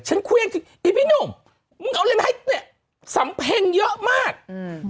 ฉันเควี้ยงไอ้พี่หนุ่มมึงเอาเลยมาให้เนี่ยสำเพ็งเยอะมากอืม